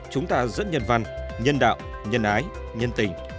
chúng ta rất nhân văn nhân đạo nhân ái nhân tình